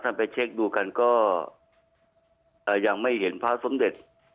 ไปเช็คดูกันก็ยังไม่เห็นพระสมเด็จ